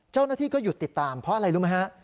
เจ้าหน้าที่ก็หยุดติดตามเพราะอะไรรู้ไหมฮะ